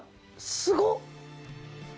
すごっ！